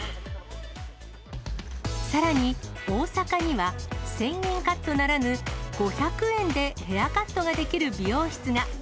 さらに、大阪には１０００円カットならぬ、５００円でヘアカットができる美容室が。